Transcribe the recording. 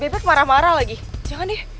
biasa dia lagi marah marah lagi jangan deh